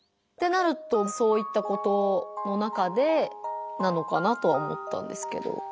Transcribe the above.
ってなるとそういったことの中でなのかなとは思ったんですけど。